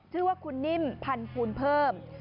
ชื่อว่าคุณนิ่มพันธูลเพิ่ม